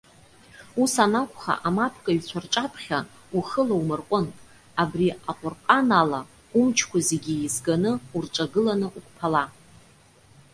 Ус анакәха, амапкыҩцәа рҿаԥхьа ухы лаумырҟәын, абри Аҟәырҟан ала, умчқәа зегьы еизганы урҿагыланы уқәԥала.